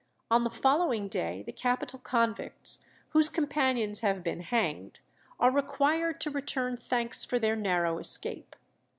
On the following day the capital convicts, whose companions have been hanged, are required to return thanks for their narrow escape.